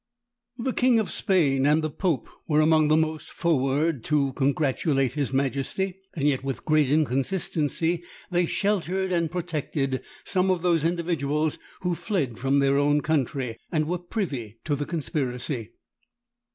The king of Spain and the pope, were among the most forward to congratulate his majesty; and yet with great inconsistency they sheltered and protected some of those individuals who fled from their own country, and were privy to the conspiracy.